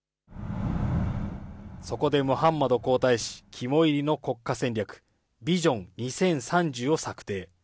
そこでムハンマド皇太子肝煎りの国家戦略、ビジョン２０３０を策定。